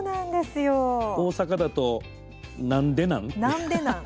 大阪だと「なんでなん？」。